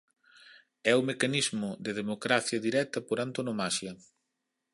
É o mecanismo de democracia directa por antonomasia.